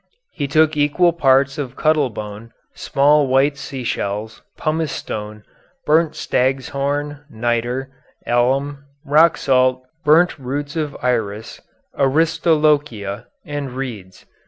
He took equal parts of cuttle bone, small white sea shells, pumice stone, burnt stag's horn, nitre, alum, rock salt, burnt roots of iris, aristolochia, and reeds.